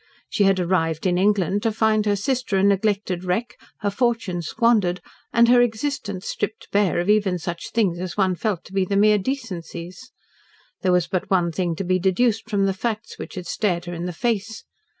She had arrived in England to find her sister a neglected wreck, her fortune squandered, and her existence stripped bare of even such things as one felt to be the mere decencies. There was but one thing to be deduced from the facts which had stared her in the face.